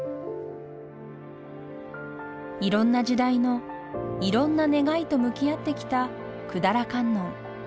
いろんな時代のいろんな願いと向き合ってきた百済観音。